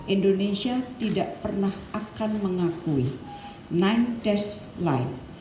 indonesia tidak pernah akan mengakui nine dash line